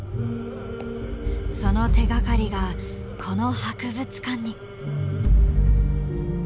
その手がかりがこの博物館に。